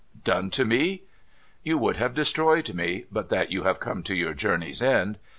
' Done to me ? You would have destroyed me, but that you have come to your journey's end.